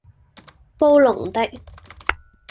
布隆迪